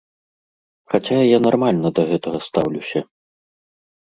Хаця я нармальна да гэтага стаўлюся.